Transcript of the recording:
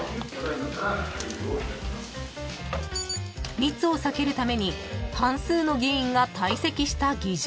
［密を避けるために半数の議員が退席した議場］